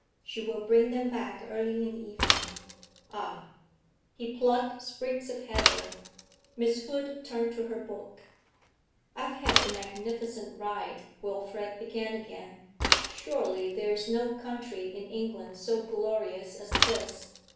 She will bring them back early in the evening.' 'Ah!' He plucked sprigs of heather. Miss Hood turned to her book. 'I've had a magnificent ride,' Wilfrid began again. 'Surely there is no country in England so glorious as this.